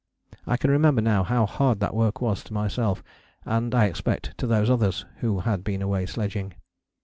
I can remember now how hard that work was to myself and, I expect, to those others who had been away sledging.